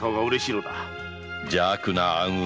邪悪な暗雲